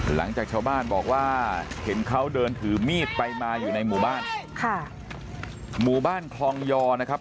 หลังจากชาวบ้านบอกว่าเห็นเขาเดินถือมีดไปมาอยู่ในหมู่บ้านค่ะหมู่บ้านคลองยอนะครับ